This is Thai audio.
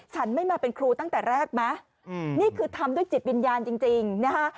ฉันไม่มาเป็นครูตั้งแต่แรกไหมนี่คือทำด้วยจิตวิญญาณจริงนะฮะ